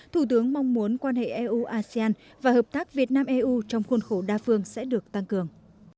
thủ tướng mong muốn quan hệ eu asean và hợp tác việt nam eu trong khuôn khổ đa phương sẽ được tăng cường